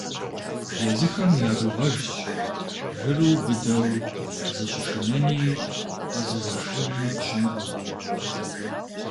Езыхэм я гугъэжщ жыру быдэу, зыщышынэни къэзыгъэшыни щымыӀэу.